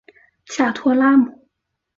下托拉姆。